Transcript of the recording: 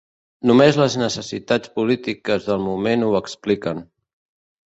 Només les necessitats polítiques del moment ho expliquen.